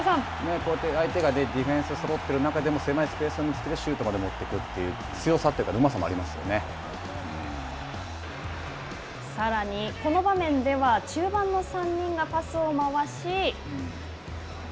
相手がディフェンスがそろっている中でも狭いスペースを見つけてシュートに持っていく、強さとさらにこの場面では、中盤の３人がパスを回し。